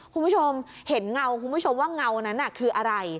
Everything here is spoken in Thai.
คุณผู้ชมเห็นเงาคุณผู้ชมว่าเงานั้นคืออะไร